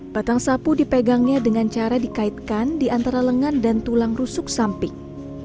batang sapu dipegangnya dengan cara dikaitkan di antara lengan dan tulang rusuk samping